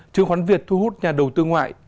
trương khoán việt thu hút nhà đầu tư ngoại